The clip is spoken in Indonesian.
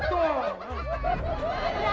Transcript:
kurang ngajar kamu ya